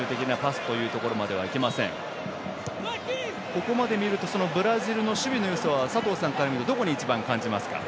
ここまで見るとブラジルの守備のよさは佐藤さんから見るとどこに一番、感じますか？